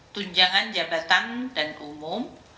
tunjangan jabatan dan umum